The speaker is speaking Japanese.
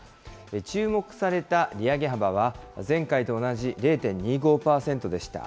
注目された利上げ幅は前回と同じ０．２５％でした。